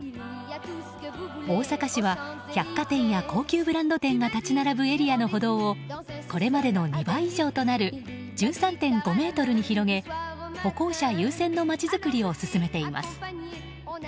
大阪市は、百貨店や高級ブランド店が立ち並ぶエリアの歩道をこれまでの２倍以上となる１３．５ｍに広げ歩行者優先の街づくりを進めています。